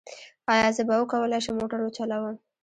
ایا زه به وکولی شم موټر وچلوم؟